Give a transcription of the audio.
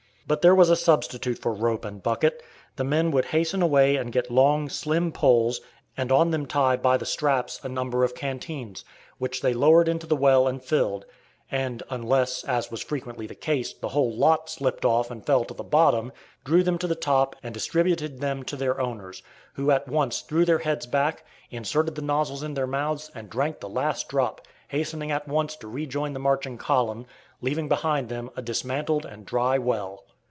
But there was a substitute for rope and bucket. The men would hasten away and get long, slim poles, and on them tie, by the straps a number of canteens, which they lowered into the well and filled; and unless, as was frequently the case, the whole lot slipped off and fell to the bottom, drew them to the top and distributed them to their owners, who at once threw their heads back, inserted the nozzles in their mouths and drank the last drop, hastening at once to rejoin the marching column, leaving behind them a dismantled and dry well.